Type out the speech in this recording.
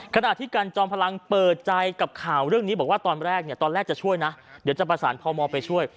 ขณะที่กันจอมพลังเปิดใจกับข่าวเรื่องนี้บอกว่าตอนแรกเนี่ยตอนแรกจะช่วยนะเดี๋ยวจะประสานพมไปช่วย